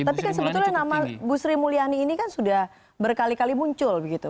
tapi kan sebetulnya nama bu sri mulyani ini kan sudah berkali kali muncul begitu